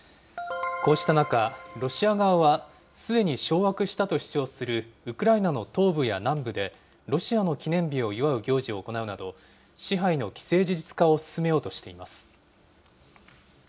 こうした中、ロシア側はすでに掌握したと主張するウクライナの東部や南部で、ロシアの記念日を祝う行事を行うなど、支配の既成事実化を進めようとしています。